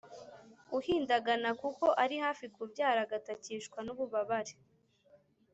uhindagana kuko ari hafi kubyara, agatakishwa n’ububabare.